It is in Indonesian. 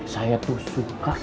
saya tuh suka